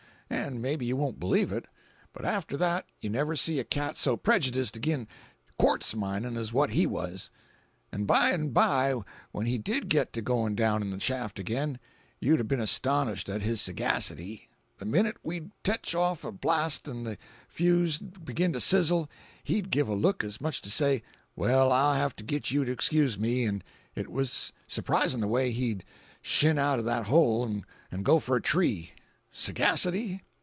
An' may be you won't believe it, but after that you never see a cat so prejudiced agin quartz mining as what he was. An' by an' bye when he did get to goin' down in the shaft agin, you'd 'a been astonished at his sagacity. The minute we'd tetch off a blast 'n' the fuse'd begin to sizzle, he'd give a look as much as to say: 'Well, I'll have to git you to excuse me,' an' it was surpris'n' the way he'd shin out of that hole 'n' go f'r a tree. Sagacity?